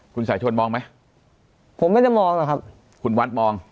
คุณสายชนมองไหมผมไม่ได้มองหรอกครับคุณวัดมอง